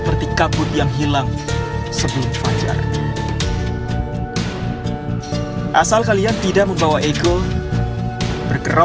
mereka hanya membuat diri mereka